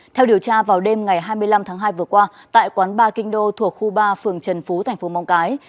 theo điều tra vào đêm ngày hai mươi năm tháng hai vừa qua tại quán ba kinh đô thuộc khu ba phường trần phú thành phố móng cái